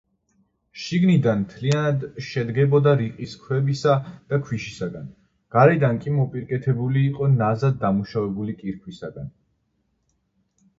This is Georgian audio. შიგნიდან მთლიანად შედგებოდა რიყის ქვებისა და ქვიშისაგან, გარედან კი მოპირკეთებული იყო ნაზად დამუშავებული კირქვისაგან.